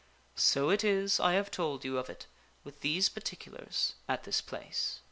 So it is I have told you of it with these particulars at this place.